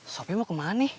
sopi mau kemana nih